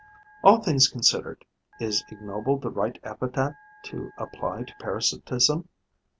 All things considered, is ignoble the right epithet to apply to parasitism?